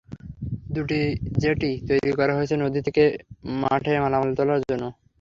দুটি জেটি তৈরি করা হয়েছে নদী থেকে মাঠে মালামাল তোলার জন্য।